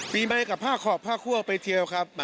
ปีใหม่กับผ้าขอบผ้าควอลไปเทียวครับ